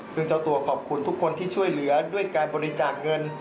ซึ่งเจ้าตัวขอบคุณทุกคนที่ช่วยเหลือด้วยการบริจาคเงิน